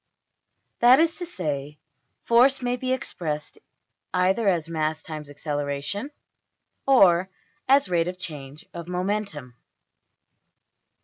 That is to say, force may be expressed either as mass times acceleration, or as rate of change of momentum.